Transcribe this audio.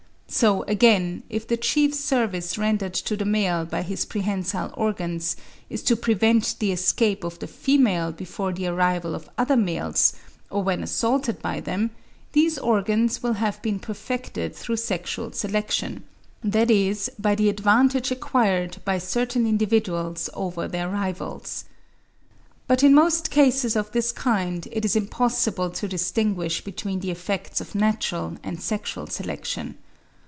So again, if the chief service rendered to the male by his prehensile organs is to prevent the escape of the female before the arrival of other males, or when assaulted by them, these organs will have been perfected through sexual selection, that is by the advantage acquired by certain individuals over their rivals. But in most cases of this kind it is impossible to distinguish between the effects of natural and sexual selection.